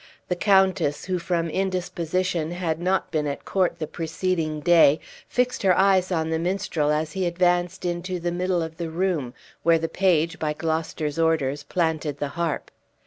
The countess, who from indisposition had not been at court the preceding day, fixed her eyes on the minstrel as he advanced into the middle of the room, where the page, by Gloucester's orders, planted the harp.